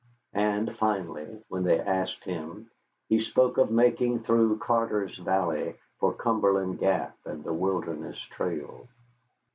And finally, when they asked him, he spoke of making through Carter's Valley for Cumberland Gap and the Wilderness Trail.